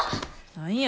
何や。